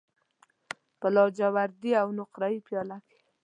په لاجوردی او نقره یې پیاله کې